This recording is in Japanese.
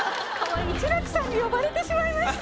志らくさんに呼ばれてしまいました。